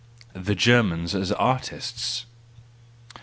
The Germans as Artists